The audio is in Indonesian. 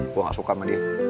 gue gak suka sama dia